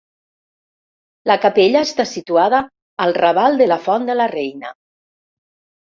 La capella està situada al raval de la Font de la Reina.